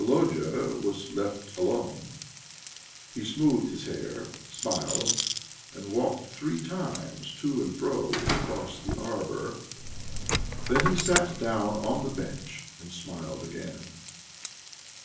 Volodya was left alone. He smoothed his hair, smiled, and walked three times to and fro across the arbour, then he sat down on the bench and smiled again.